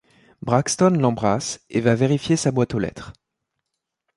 Braxton l'embrasse et va vérifier sa boîte aux lettres.